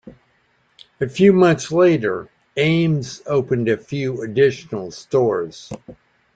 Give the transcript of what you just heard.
A few months later, Ames opened a few additional stores.